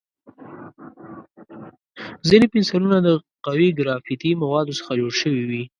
ځینې پنسلونه د قوي ګرافیتي موادو څخه جوړ شوي وي.